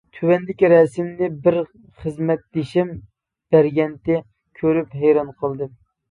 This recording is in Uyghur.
تۆۋەندىكى رەسىمنى بىر خىزمەتدىشىم بەرگەنتى، كۆرۈپ ھەيران قالدىم.